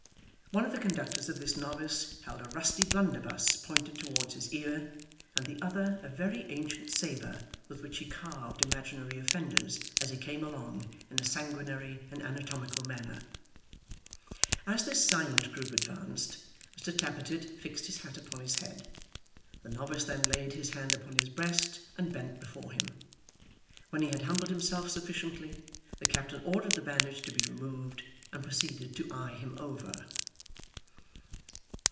One of the conductors of this novice held a rusty blunderbuss pointed towards his ear, and the other a very ancient sabre, with which he carved imaginary offenders as he came along in a sanguinary and anatomical manner. As this silent group advanced, Mr Tappertit fixed his hat upon his head. The novice then laid his hand upon his breast and bent before him. When he had humbled himself sufficiently, the captain ordered the bandage to be removed, and proceeded to eye him over.